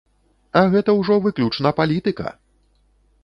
А гэта ўжо выключна палітыка!